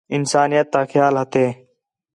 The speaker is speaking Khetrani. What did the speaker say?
انسانیت تا خیال ہتھے